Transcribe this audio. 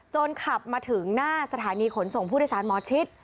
ขับมาถึงหน้าสถานีขนส่งผู้โดยสารหมอชิด